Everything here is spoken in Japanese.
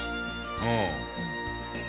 うん。